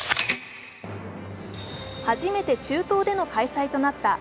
初めて中東での開催となったＦＩＦＡ